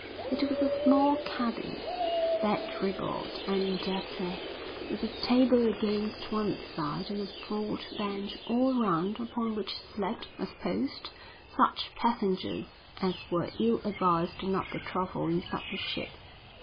It was a small cabin, bedraggled and dirty, with a table against one side and a broad bench all round upon which slept, I supposed, such passengers as were ill advised enough to travel in such a ship.